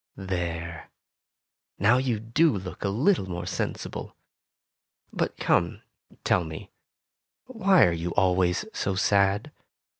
There! Now you do look a little more sensible. But come, tell me, why are you always so sad